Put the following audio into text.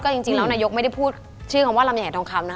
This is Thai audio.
จริงแล้วนายกไม่ได้พูดชื่อคำว่าลำใหญ่ทองคำนะ